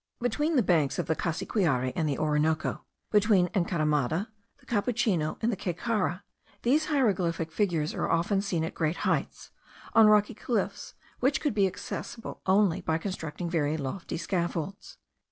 Between the banks of the Cassiquiare and the Orinoco, between Encaramada, the Capuchino, and Caycara, these hieroglyphic figures are often seen at great heights, on rocky cliffs which could be accessible only by constructing very lofty scaffolds.